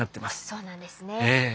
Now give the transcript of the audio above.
そうなんですね。